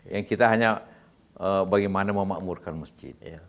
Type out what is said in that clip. yang kita hanya bagaimana memakmurkan masjid